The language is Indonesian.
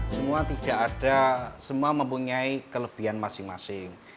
semua mempunyai kelebihan masing masing